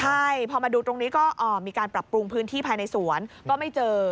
ใช่พอมาดูตรงนี้ก็มีการปรับปรุงพื้นที่ภายในสวนก็ไม่เจอ